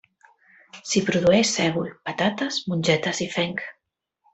S'hi produeix sègol, patates, mongetes i fenc.